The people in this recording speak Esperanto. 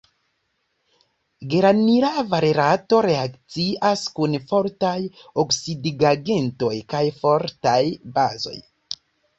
Geranila valerato reakcias kun fortaj oksidigagentoj kaj fortaj bazoj.